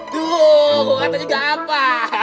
duh mau ngata juga apa